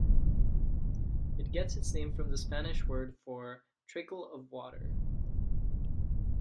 It gets its name from the Spanish word for "trickle of water".